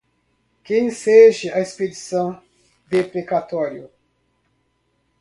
que enseje expedição de precatório